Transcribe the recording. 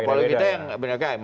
apalagi kita yang berbeda